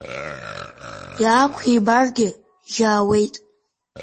Иаақәибаргьы-жьаауеит.